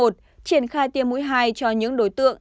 triển khai tiêm mũi hai cho những đối tượng